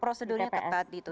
prosedurnya ketat gitu